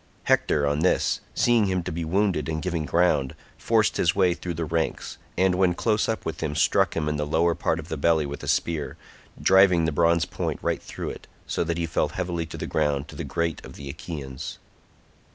Hector on this, seeing him to be wounded and giving ground, forced his way through the ranks, and when close up with him struck him in the lower part of the belly with a spear, driving the bronze point right through it, so that he fell heavily to the ground to the great grief of the Achaeans.